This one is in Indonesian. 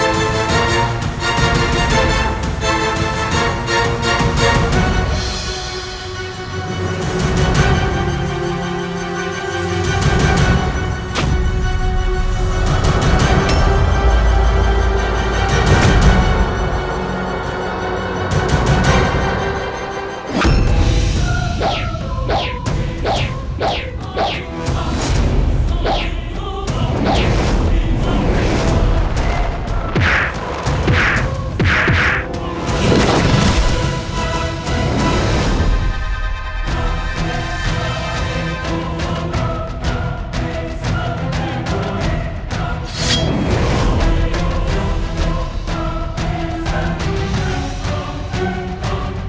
assalamualaikum warahmatullahi wabarakatuh